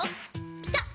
ピタッ！